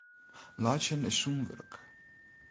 Laitsjen is sûn wurk.